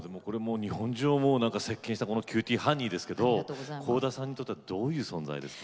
日本中を席けんした「キューティーハニー」ですけど倖田さんにとってはどういう存在ですか。